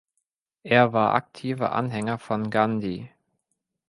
Er war aktiver Anhänger von Gandhi.